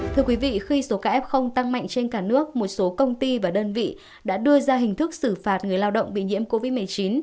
thưa quý vị khi số caf tăng mạnh trên cả nước một số công ty và đơn vị đã đưa ra hình thức xử phạt người lao động bị nhiễm covid một mươi chín